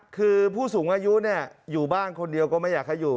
คือผู้สูงอายุอยู่บ้านคนเดียวก็ไม่อยากให้อยู่